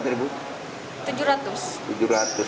tadi satu orang bayar berapa tadi bu